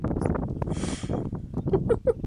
Su diseño fue realizado por Óscar Pietro Ruiz.